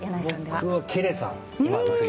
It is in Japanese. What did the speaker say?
僕はケレさん。